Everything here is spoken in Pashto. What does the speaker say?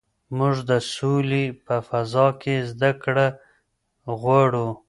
موږ د سولې په فضا کې زده کړه غواړو.